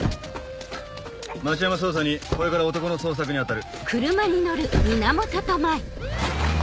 町山捜査２これから男の捜索に当たる。